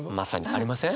ありません？